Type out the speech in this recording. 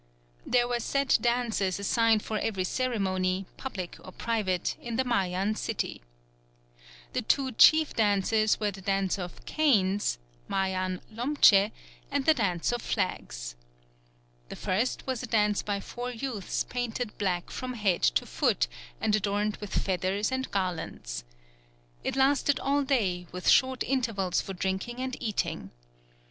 There were set dances assigned for every ceremony, public or private, in the Mayan city. The two chief dances were the dance of canes (Mayan lomche) and the dance of flags. The first was a dance by four youths painted black from head to foot, and adorned with feathers and garlands. It lasted all day, with short intervals for drinking and eating.